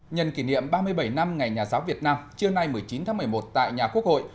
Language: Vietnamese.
nhân kỷ niệm ba mươi bảy năm ngày nhà giáo việt nam trưa nay một mươi chín tháng một mươi một tại nhà quốc hội